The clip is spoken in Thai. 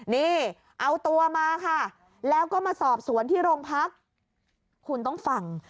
นี่เอาตัวมาค่ะแล้วก็มาสอบสวนที่โรงพักคุณต้องฟัง